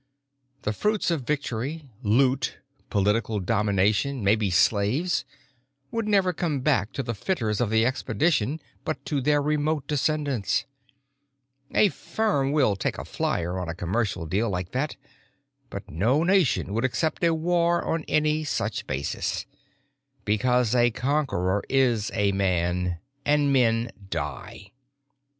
The fruits of victory—loot, political domination, maybe slaves—would never come back to the fitters of the expedition but to their remote descendants. A firm will take a flyer on a commercial deal like that, but no nation would accept a war on any such basis—because a conqueror is a man, and men die.